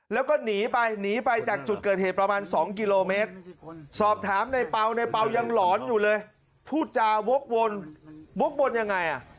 แล้วก็หนีไปหนีไปจากจุดเกิดเหตุประมาณสองกิโลเมตรสอบถามในเปล่าในเปล่ายังหลอนอยู่เลย